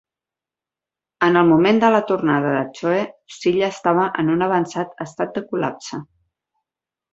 En el moment de la tornada de Choe, Silla estava en un avançat estat de col·lapse.